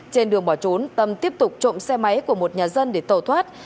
trên đường bỏ trốn tâm tiếp tục trộm xe máy của một nhà dân để tàu thoát